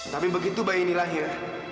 tapi begitu bayi ini lahir